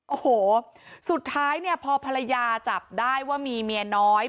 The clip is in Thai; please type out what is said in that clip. โอ้โหสุดท้ายเนี่ยพอภรรยาจับได้ว่ามีเมียน้อย